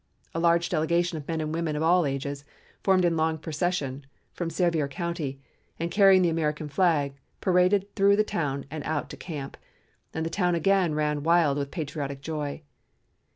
A large delegation of men and women of all ages formed in long procession (from Sevier County) and carrying the American flag, paraded through the town and out to camp, and the town again ran wild with patriotic joy.